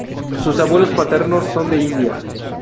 Sus abuelos paternos son de India.